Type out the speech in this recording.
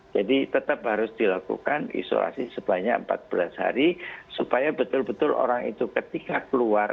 jadi tetap harus dilakukan isolasi sebanyak empat belas hari supaya betul betul orang itu ketika keluar